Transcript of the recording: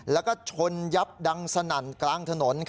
แล้วก็ชนยับดังสนั่นกลางถนน